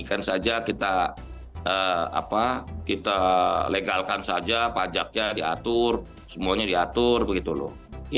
kan saja kita legalkan saja pajaknya diatur semuanya diatur begitu loh